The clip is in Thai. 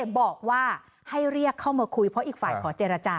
บอกว่าให้เรียกเข้ามาคุยเพราะอีกฝ่ายขอเจรจา